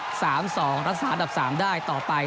รักษาอันดับ๓ได้ต่อไป